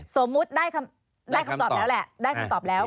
สมมุติได้คำตอบแล้วแหละได้คำตอบแล้ว